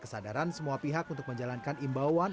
kesadaran semua pihak untuk menjalankan imbauan